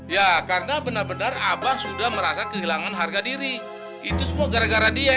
ya karena benar benar abah sudah merasa kehilangan harga diri itu semua gara gara dia